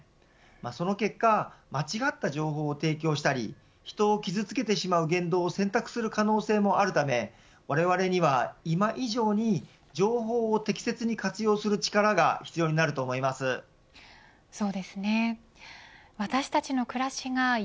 その結果間違った情報を提供したり人を傷つけてしまう言動を選択する可能性もあるためわれわれには、今以上に情報を適切に活用する力が必要になると思います。